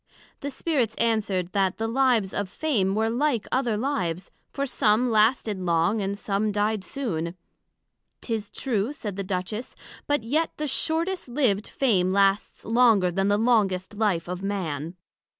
The Spirits answered, That the lives of Fame were like other lives; for some lasted long, and some died soon. 'Tis true, said the Duchess; but yet the shortest liv'd Fame lasts longer then the longest life of Man.